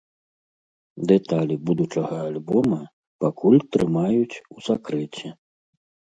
Дэталі будучага альбома пакуль трымаюць у сакрэце.